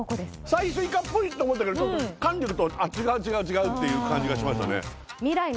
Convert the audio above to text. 最初イカっぽいと思ったけどちょっと噛んでいくと違う違う違うっていう感じがしましたね